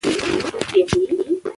پښتو لیک لا بشپړ نه دی.